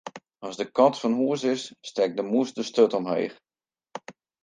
As de kat fan hús is, stekt de mûs de sturt omheech.